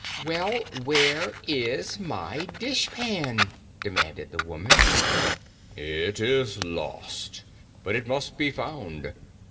"Well, where is my dishpan?" demanded the woman. "It is lost, but it must be found.